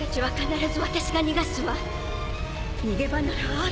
逃げ場ならある！